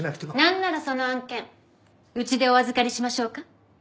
何ならその案件うちでお預かりしましょうか？